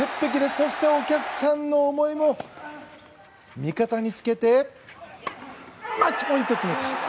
そしてお客さんの思いも味方につけてマッチポイント、取れた。